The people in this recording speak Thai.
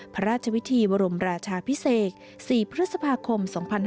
พระราชวิธีบรมราชาพิเศษ๔พฤษภาคม๒๕๕๙